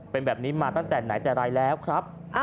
เป็นแบบนี้มาตั้งแต่ไหนแต่ไรแล้วครับ